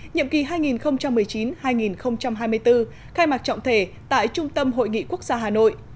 nhiệm kỳ hai nghìn một mươi chín hai nghìn hai mươi bốn khai mạc trọng thể tại trung tâm hội nghị quốc gia hà nội